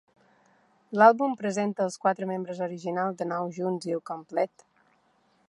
L'àlbum presenta els quatre membres originals de nou junts i al complet.